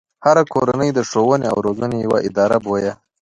هره کورنۍ د ښوونې او روزنې يوه اداره بويه.